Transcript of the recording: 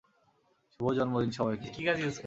শুভ দিন, সবাইকে।